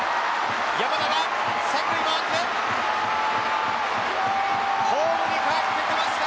山田が三塁回ってホームにかえってきました。